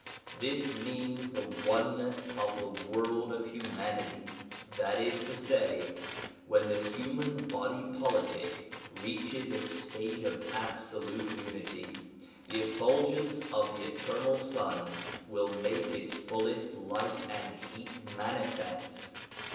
This means the oneness of the world of humanity. That is to say, when this human body politic reaches a state of absolute unity, the effulgence of the eternal Sun will make its fullest light and heat manifest.